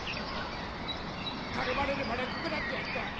頼まれれば落語だってやった。